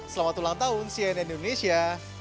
selamat ulang tahun cnn indonesia